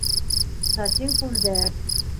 Сатин күлдәк